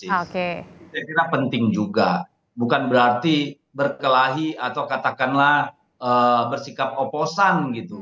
saya kira penting juga bukan berarti berkelahi atau katakanlah bersikap oposan gitu